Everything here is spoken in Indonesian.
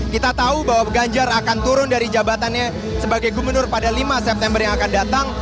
kita tahu bahwa ganjar akan turun dari jabatannya sebagai gubernur pada lima september yang akan datang